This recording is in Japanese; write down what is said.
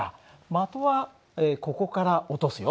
的はここから落とすよ。